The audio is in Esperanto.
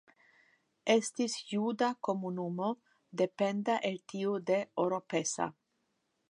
Estis juda komunumo dependa el tiu de Oropesa.